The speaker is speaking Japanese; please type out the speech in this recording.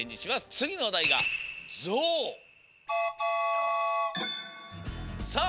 つぎのおだいがさあ